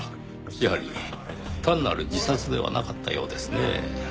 やはり単なる自殺ではなかったようですねぇ。